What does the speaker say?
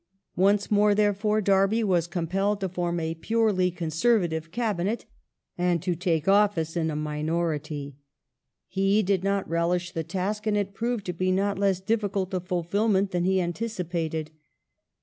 ^ Once more, therefore, Derby ^^58 June ^g^g compelled to form a purely Conservative Cabinet and to take office in a minority. He did not relish the task, and it proved to be not less difficult of fulfilment than he anticipated.